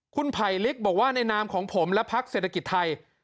คุณไผลลิกบอกว่าในนามของผมและพักเศรษฐกิจไทย